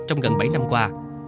trong gần bảy năm qua